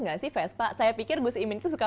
gak sih vespa saya pikir gus imin itu suka